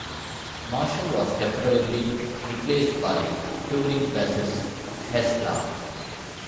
Marshall was temporarily replaced by touring bassist Hestla.